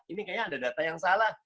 ini kayaknya ada data yang salah